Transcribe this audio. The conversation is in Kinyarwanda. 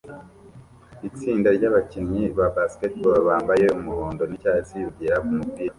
Itsinda ryabakinnyi ba basketball bambaye umuhondo nicyatsi bagera kumupira